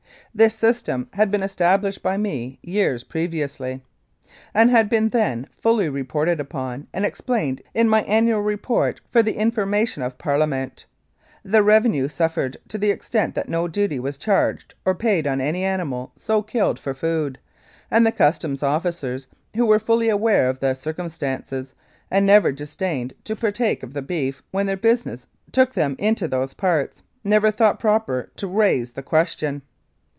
This system had been established by me years previously, and had been then fully reported upon and explained in my annual report for the information of Parliament. The revenue suffered to the extent that no duty was charged or paid on any animal so killed for food, and the Customs officers, who were fully aware of the cir cumstances, and never disdained to partake of the beef when their business took them into those parts, never thought proper to raise the question.